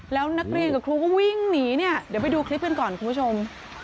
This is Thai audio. แล้วนักเรียนกับครูก็วิ่งหนีเนี่ยเดี๋ยวไปดูคลิปกันก่อนคุณผู้ชม